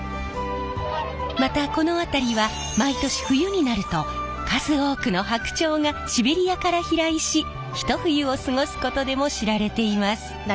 またこの辺りは毎年冬になると数多くの白鳥がシベリアから飛来しひと冬を過ごすことでも知られています。